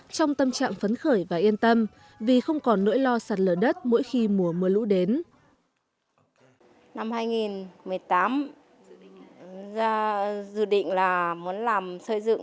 trong tâm trạng phấn khởi và yên tâm vì không còn nỗi lo sạt lở đất mỗi khi mùa mưa lũ đến